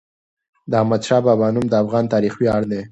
د احمدشاه بابا نوم د افغان تاریخ ویاړ دی.